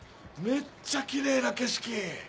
めっちゃキレイな景色！